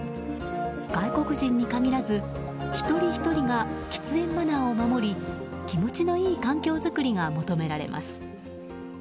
外国人に限らず一人ひとりが喫煙マナーを守り気持ちのいい環境作りが求められます。